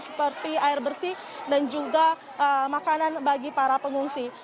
seperti air bersih dan juga makanan bagi para pengungsi